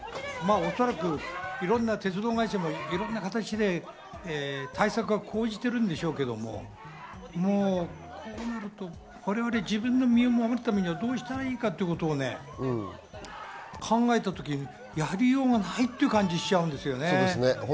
おそらく鉄道会社もいろんな形で対策は講じているんでしょうけども、我々自分の身を守るためにはどうしたらいいかっていうことを考えた時にやりようがないって感じがしちゃうんですよね。